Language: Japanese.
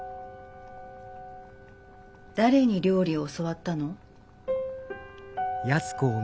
誰に料理を教わったの？